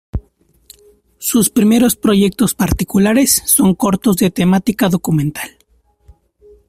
Sus primeros proyectos particulares son cortos de temática documental.